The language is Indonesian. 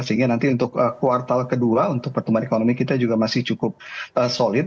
sehingga nanti untuk kuartal kedua untuk pertumbuhan ekonomi kita juga masih cukup solid